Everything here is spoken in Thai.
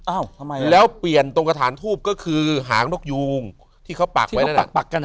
อ้าวทำไมแล้วเปลี่ยนตรงกระถานทูบก็คือหางนกยูงที่เขาปากไว้ที่เขาปากปากกัน